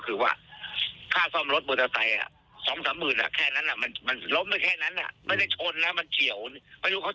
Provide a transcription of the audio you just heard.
เราก็ไม่ใช่คนรวยเราก็นั่งแสดงตัวประกอบ